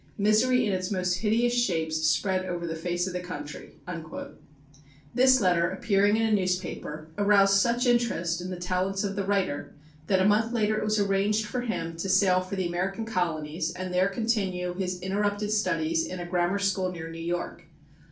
Misery in its most hideous shapes spread over the face of the country." This letter, appearing in a newspaper, aroused such interest in the talents of the writer that a month later it was arranged for him to sail for the American Colonies and there continue his interrupted studies in a grammar school near New York.